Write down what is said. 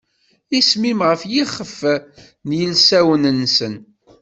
Isem-im ɣef yixef n yilsawen-nsen.